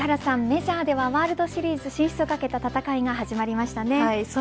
メジャーではワールドシリーズ進出をかけた戦いが始まりましたね。